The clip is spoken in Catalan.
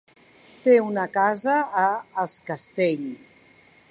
Té una casa a Es Castell.